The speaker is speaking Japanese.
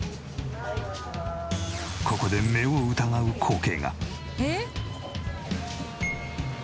ここで目を疑う光景が。